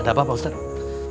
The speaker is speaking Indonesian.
ada apa pak ustadz